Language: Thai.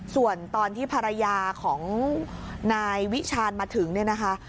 ส่วนตอนที่ภรรยาของนายวิชาญมาถึงเนี่ยนะคะ